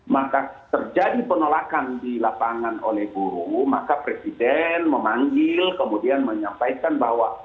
maka terjadi penolakan di lapangan oleh guru maka presiden memanggil kemudian menyampaikan bahwa